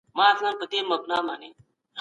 هغه څوک چي په صحرا کي اوسېږي زړور وي.